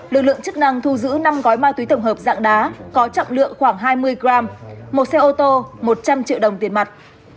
lực lượng chức năng thu giữ năm gói ma túy tổng hợp dạng đá có trọng lượng khoảng hai mươi g một xe ô tô một trăm linh triệu đồng tiền mặt